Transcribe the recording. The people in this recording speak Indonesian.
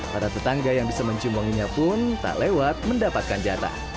para tetangga yang bisa mencium wanginya pun tak lewat mendapatkan jatah